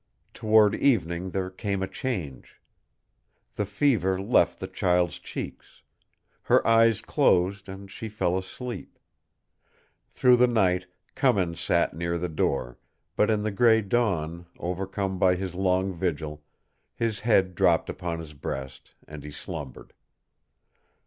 Toward evening there came a change. The fever left the child's cheeks. Her eyes closed, and she fell asleep. Through the night Cummins sat near the door, but in the gray dawn, overcome by his long vigil, his head dropped upon his breast, and he slumbered.